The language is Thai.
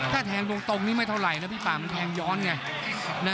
ถ้าแทงตรงนี้ไม่เท่าไหร่นะพี่ป่ามันแทงย้อนไง